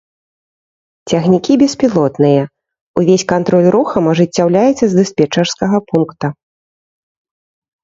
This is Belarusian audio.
Цягнікі беспілотныя, увесь кантроль рухам ажыццяўляецца з дыспетчарскага пункта.